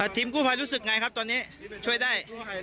ทีมกู้ภัยรู้สึกไงครับตอนนี้ช่วยได้